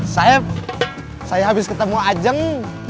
saif saya habis ketemu ajeng